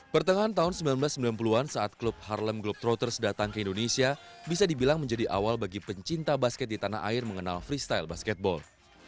pertengahan tahun seribu sembilan ratus sembilan puluh an saat klub harlem grup trotters datang ke indonesia bisa dibilang menjadi awal bagi pencinta basket di tanah air mengenal freestyle basketball